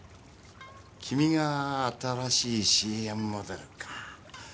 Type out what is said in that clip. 君が新しいＣＭモデルか。